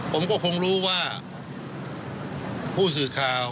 ผมก็คงรู้ว่าผู้สื่อข่าว